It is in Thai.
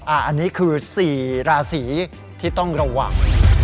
อันนี้คือ๔ราศีที่ต้องระวัง